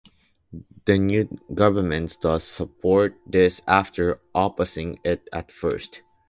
The new government does support this, after opposing it at first.